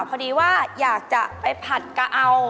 พอดีว่าอยากจะไปผัดกะเอา